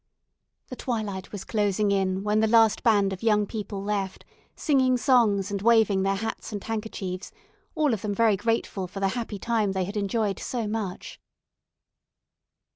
The twilight was closing in when the last band of young people left, singing songs, and waving their hats and handkerchiefs; all of them very grateful for the happy time they had enjoyed so much.